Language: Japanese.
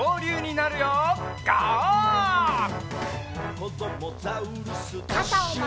「こどもザウルス